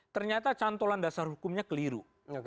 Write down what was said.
ternyata cantolan dasar hukumnya keliru